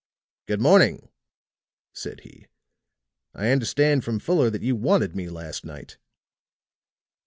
"Good morning," said he. "I understand from Fuller that you wanted me last night."